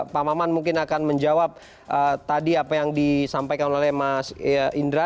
pak maman mungkin akan menjawab tadi apa yang disampaikan oleh mas indra